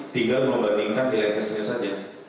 tinggal membandingkan nilai tesnya saja